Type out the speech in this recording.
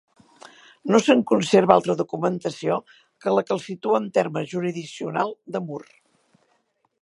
No se'n conserva altra documentació que la que el situa en terme jurisdiccional de Mur.